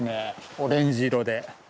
オレンジ色で。